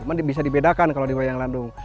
cuma bisa dibedakan kalau di wayang landung